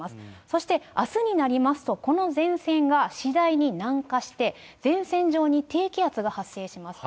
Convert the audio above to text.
そしてあすになりますと、この前線が次第に南下して、前線上に低気圧が発生します。